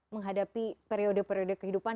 menghadapi periode periode kehidupan